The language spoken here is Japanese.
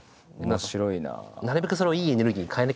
面白いな。